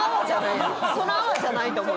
その泡じゃないと思うよ！